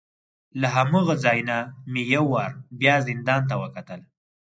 له هماغه ځای نه مې یو وار بیا زندان ته وکتل.